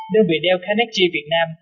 đơn vị dell connect g việt nam